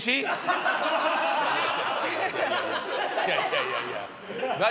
いやいやいやいや何？